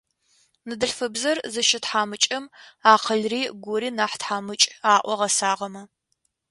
Ныдэлъфыбзэр зыщытхьамыкӏэм акъылри гури нахь тхьамыкӏ,- аӏо гъэсагъэмэ.